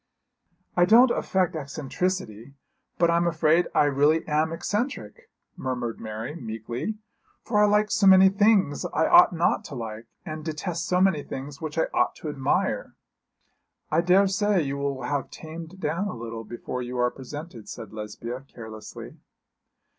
'I don't affect eccentricity, but I'm afraid I really am eccentric,' murmured Mary, meekly, 'for I like so many things I ought not to like, and detest so many things which I ought to admire.' 'I daresay you will have tamed down a little before you are presented,' said Lesbia, carelessly.